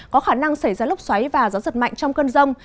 có khả năng xảy ra lốc xoáy và gió giật mạnh trong cơn rông